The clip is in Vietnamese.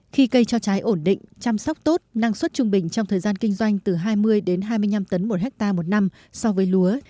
khi cây cho trái ổn định chăm sóc tốt năng suất trung bình trong thời gian kinh doanh từ hai mươi đến hai mươi năm tấn một hectare một năm so với lúa